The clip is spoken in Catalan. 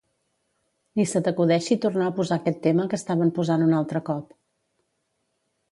Ni se t'acudeixi tornar a posar aquest tema que estaven posant un altre cop.